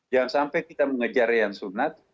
jangan sampai kita mengejar yang sunat